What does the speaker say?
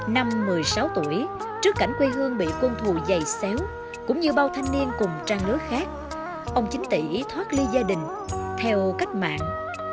năm một mươi sáu tuổi trước cảnh quê hương bị quân thù dày xéo cũng như bao thanh niên cùng trang lứa khác ông chính tỷ thoát ly gia đình theo cách mạng